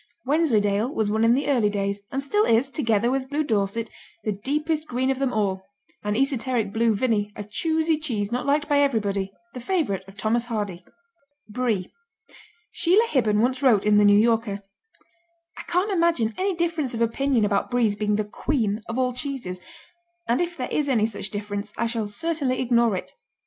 Wensleydale was one in the early days, and still is, together with Blue Dorset, the deepest green of them all, and esoteric Blue Vinny, a choosey cheese not liked by everybody, the favorite of Thomas Hardy. Brie Sheila Hibben once wrote in The New Yorker: I can't imagine any difference of opinion about Brie's being the queen of all cheeses, and if there is any such difference, I shall certainly ignore it.